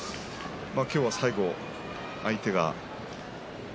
今日は最後、相手が。